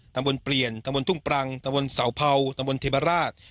ตำบลเปลี่ยนตำบลทุ่งปรังตะบนเสาเผาตำบลเทวราช